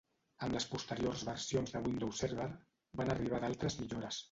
Amb les posteriors versions de Windows Server, van arribar d'altres millores.